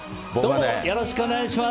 よろしくお願いします。